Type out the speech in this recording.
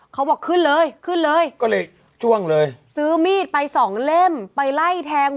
เขาบอกขึ้นเลยขึ้นเลยก็เลยจ้วงเลยซื้อมีดไปสองเล่มไปไล่แทง